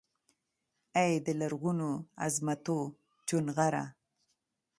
ای دلرغونوعظمتوچونغره!